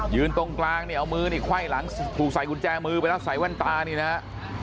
ตรงกลางเนี่ยเอามือนี่ไขว้หลังถูกใส่กุญแจมือไปแล้วใส่แว่นตานี่นะฮะ